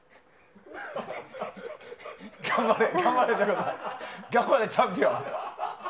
頑張れ、チャンピオン。